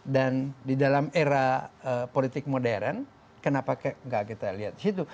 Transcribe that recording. dan di dalam era politik modern kenapa nggak kita lihat situ